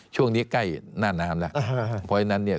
ช่วงนี้ใกล้หน้าน้ำแล้วเพราะฉะนั้นเนี่ย